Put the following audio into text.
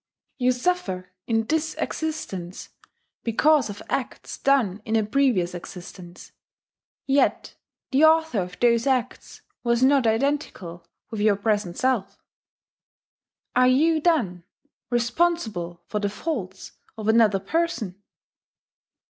You suffer in this existence because of acts done in a previous existence yet the author of those acts was not identical with your present self! Are you, then, responsible for the faults of another person?